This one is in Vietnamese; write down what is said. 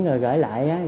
rồi gửi lại